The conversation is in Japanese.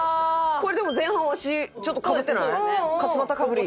でも前半わしちょっとかぶってない？